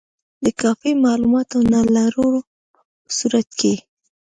د کافي معلوماتو نه لرلو په صورت کې.